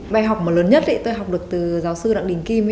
bài học mà lớn nhất tôi học được từ giáo sư đặng đình kim